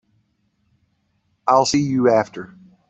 I'll see you after.